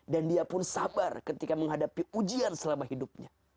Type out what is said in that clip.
dan dia pun sabar ketika menghadapi ujian selama hidupnya